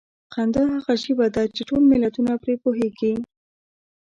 خندا هغه ژبه ده چې ټول ملتونه پرې پوهېږي.